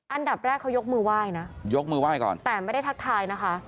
อันดับแรกเขายกมือไหว้นะแต่ไม่ได้ทักทายนะคะ